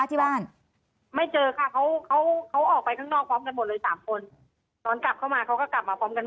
ตอนที่จะไปอยู่โรงเรียนจบมไหนคะ